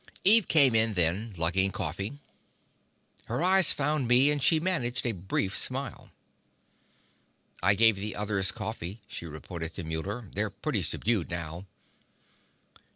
Eve came in then, lugging coffee. Her eyes found me, and she managed a brief smile. "I gave the others coffee," she reported to Muller. "They're pretty subdued now."